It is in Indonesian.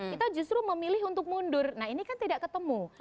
kita justru memilih untuk mundur nah ini kan tidak ketemu